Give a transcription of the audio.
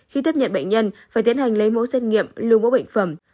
khi tiếp nhận bệnh nhân phải tiến hành lấy mẫu xét nghiệm lưu mẫu bệnh phẩm